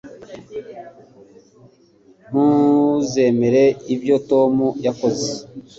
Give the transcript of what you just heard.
Ntuzemera ibyo Tom yakoze